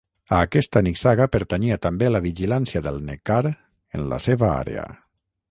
A aquesta nissaga pertanyia també la vigilància del Neckar en la seva àrea.